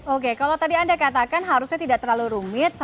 oke kalau tadi anda katakan harusnya tidak terlalu rumit